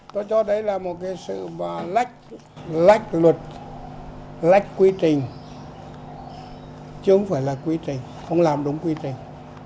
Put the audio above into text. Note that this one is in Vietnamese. tôi cho đấy là một cái sự lách lách luật lách quy trình chứ không phải là quy trình không làm đúng quy trình